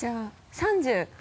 ３０！